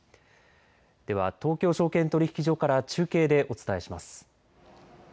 では東京証券取引所から中継でお伝えします。